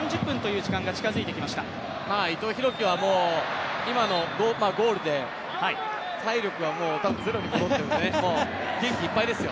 伊藤洋輝はもう今のゴールで体力はゼロに戻って、元気いっぱいですよ。